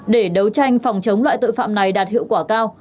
để đấu tranh phòng chống loại tội phạm này đạt hiệu quả cao